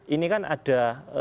ini kan ada